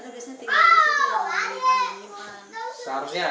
ada biasanya tiga empat lima lima